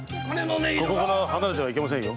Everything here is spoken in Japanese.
ここから離れてはいけませんよ。